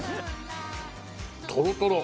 トロトロ。